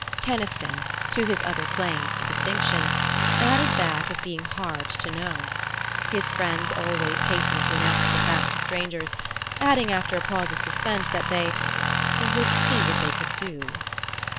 Keniston, to his other claims to distinction, added that of being hard to know. His friends always hastened to announce the fact to strangers adding after a pause of suspense that they "would see what they could do."